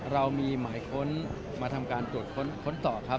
เรามีหมายค้นมาทำการตรวจค้นต่อครับ